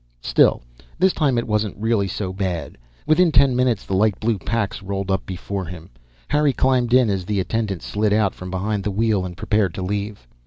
Still, this time it wasn't really so bad. Within ten minutes the light blue Pax rolled up before him. Harry climbed in as the attendant slid out from behind the wheel and prepared to leave.